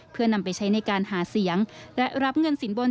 เพื่อนำไปใช้ในการหาเสียงและรับเงินสินบน